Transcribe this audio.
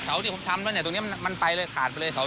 ที่ผมทำแล้วเนี่ยตรงนี้มันไปเลยขาดไปเลย